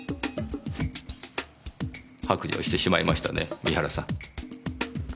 白状してしまいましたね三原さん。